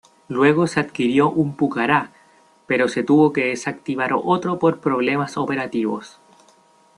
Luego se adquirió un Pucará pero se tuvo que desactivar otro por problemas operativos.